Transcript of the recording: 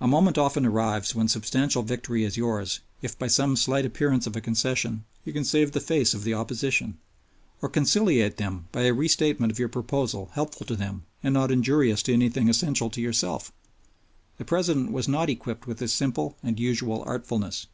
A moment often arrives when substantial victory is yours if by some slight appearance of a concession you can save the face of the opposition or conciliate them by a restatement of your proposal helpful to them and not injurious to anything essential to yourself. The President was not equipped with this simple and usual artfulness.